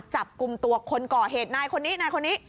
จับกลุ่มตัวคนก่อเหตุนายคนนี้นายคนนี้